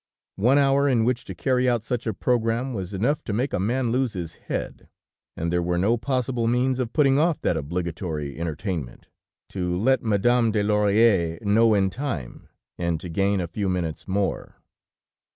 One hour in which to carry out such a program was enough to make a man lose his head. And there were no possible means of putting off that obligatory entertainment, to let Madame Le Laurière know in time, and to gain a few minutes more.